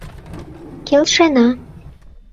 — Келшена.